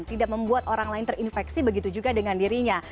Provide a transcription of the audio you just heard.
tidak membuat orang lain terinfeksi begitu juga dengan dirinya